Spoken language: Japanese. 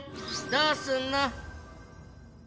どうすんの？